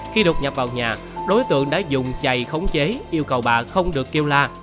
khi đột nhập vào nhà đối tượng đã dùng chày khống chế yêu cầu bà không được kêu la